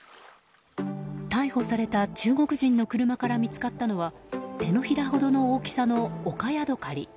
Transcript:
逮捕された中国人の車から見つかったのは手のひらほどの大きさのオカヤドカリ。